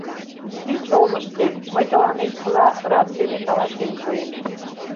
Шич олмышкет, мый тыланет чыла рад дене каласен пуэм.